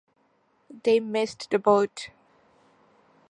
They missed the boat.